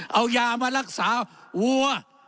เอายามารักษาวัว